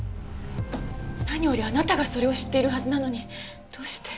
何よりあなたがそれを知っているはずなのにどうして？